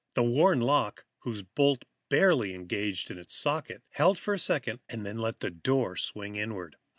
The worn lock, whose bolt barely engaged its socket, held for a second, then let the door swing inward.